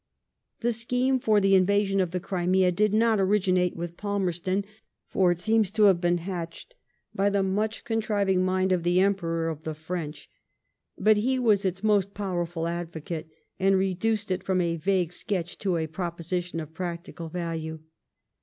The scheme for THE ABERDEEN MINISTRY. 169 the invasion of the Crimea did not originate with Pal merston, for it seems to have been hatched by the mnch oontriving mind of the Emperor of the French ; but he was its most powerful advocate , and reduced it from a vague sketch to a proposition of practical value.